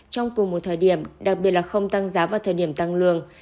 trong cùng một thời điểm đặc biệt là không tăng giá vào thời điểm tăng lương